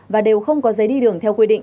và đều không có giấy đi đường